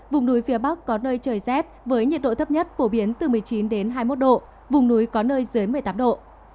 vùng núi phía bắc có nơi trời rét với nhiệt độ thấp nhất phổ biến từ một mươi chín đến hai mươi một độ vùng núi có nơi dưới một mươi tám độ